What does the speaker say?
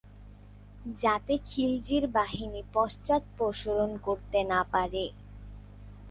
যাতে খিলজির বাহিনী পশ্চাদপসরণ করতে না পারে।